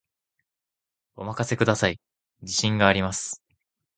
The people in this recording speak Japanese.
お任せください、自信があります